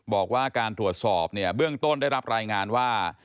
บอกว่าการตรวจสอบเนี่ยเบื้องต้นได้รับรายงานว่า